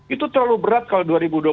itu terlalu berat kalau dua ribu dua puluh